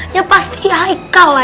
ya pasti heikal lah